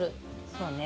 そうね